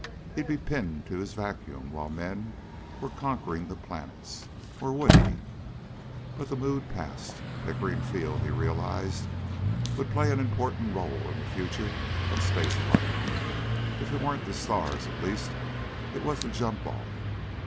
He'd be pinned to his vacuum while men were conquering the planets. Or would he? But the mood passed. Pickering Field, he realized, would play an important role in the future of space flight. If it weren't the stars, at least it was the jump off.